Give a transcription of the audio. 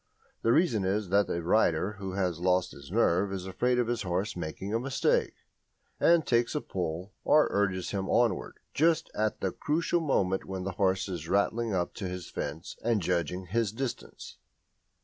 The reason is that a rider who has lost his nerve is afraid of his horse making a mistake, and takes a pull, or urges him onward, just at the crucial moment when the horse is rattling up to his fence and judging his distance.